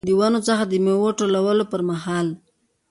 د ونو څخه د میوو ټولولو پرمهال.